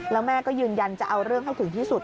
แล้วแม่ก็ยืนยันจะเอาเรื่องให้ถึงที่สุด